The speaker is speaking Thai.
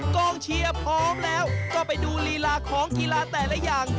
กองเชียร์พร้อมแล้วก็ไปดูลีลาของกีฬาแต่ละอย่าง